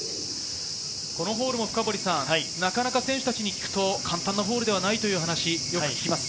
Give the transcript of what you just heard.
このホールも、なかなか選手たちに聞くと簡単なホールではないという話です。